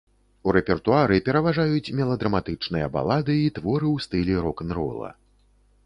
У рэпертуары пераважаюць меладраматычныя балады і творы ў стылі рок-н-рола.